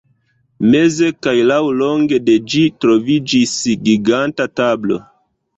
Meze kaj laŭlonge de ĝi troviĝis giganta tablo.